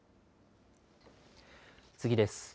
次です。